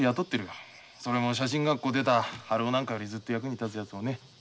それも写真学校を出た春男なんかよりずっと役に立つやつをね。